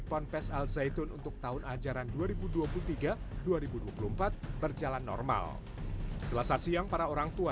ponpes al zaitun untuk tahun ajaran dua ribu dua puluh tiga dua ribu dua puluh empat berjalan normal selasa siang para orang tua